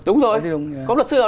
đúng rồi không có luật sư nào đâu